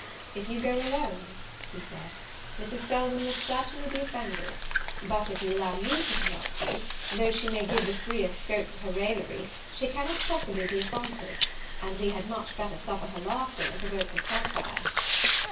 "If you go alone," said he, "Mrs. Selwyn will certainly be offended; but if you allow me to conduct you, though she may give the freer scope to her raillery, she cannot possibly be affronted: and we had much better suffer her laughter, than provoke her satire."